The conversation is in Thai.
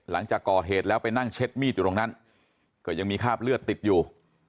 หลังจากก่อเหตุแล้วไปนั่งเช็ดมีดอยู่ตรงนั้นก็ยังมีคราบเลือดติดอยู่